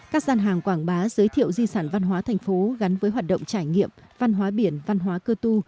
các gian hàng quảng bá giới thiệu di sản văn hóa thành phố gắn với hoạt động trải nghiệm văn hóa biển văn hóa cơ tu